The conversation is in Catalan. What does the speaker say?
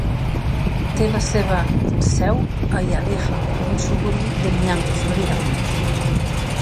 Té la seva seu a Hialeah, un suburbi de Miami, Florida.